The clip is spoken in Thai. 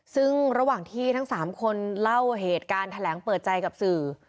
ซึ่งระหว่างที่ทั้ง๓คนเล่าเหตุการณ์แถลงเปิดใจกับสื่อ